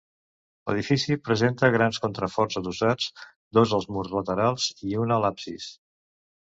L'edifici presenta grans contraforts adossats, dos als murs laterals i un a l'absis.